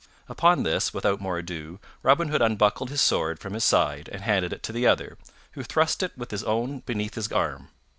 Upon this, without more ado, Robin Hood unbuckled his sword from his side and handed it to the other, who thrust it with his own beneath his arm.